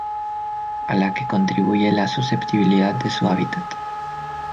A la que contribuye la susceptibilidad de su hábitat